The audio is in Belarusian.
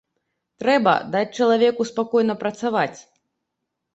Трэба даць чалавеку спакойна працаваць.